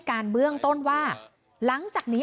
คุยกับตำรวจเนี่ยคุยกับตำรวจเนี่ย